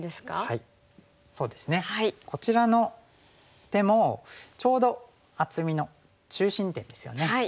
はいそうですね。こちらの手もちょうど厚みの中心点ですよね。